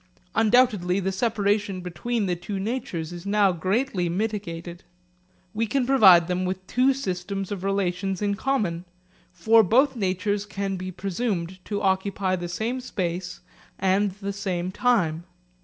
Undoubtedly the separation between the two natures is now greatly mitigated. We can provide them with two systems of relations in common; for both natures can be presumed to occupy the same space and the same time.